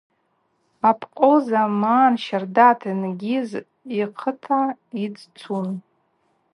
Абкъвыл заман щарда атенгьыз йхъыта йдзцун.